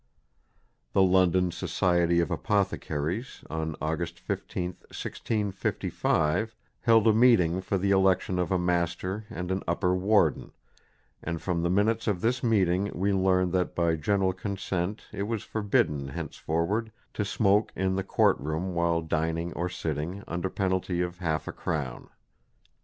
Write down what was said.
The London Society of Apothecaries on August 15, 1655, held a meeting for the election of a Master and an Upper Warden; and from the minutes of this meeting we learn that by general consent it was forbidden henceforward to smoke in the Court Room while dining or sitting, under penalty of half a crown.